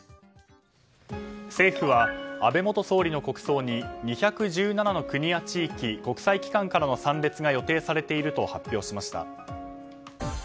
政府は安倍元総理の国葬に２１７の国や地域国際機関からの参列が予定されていると発表しました。